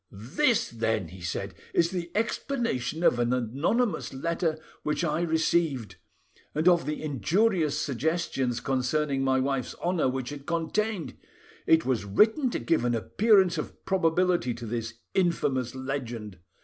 "This, then," he said, "is the explanation of an anonymous letter which I received, and of the injurious suggestions' concerning my wife's honour which it contained; it was written to give an appearance of probability to this infamous legend.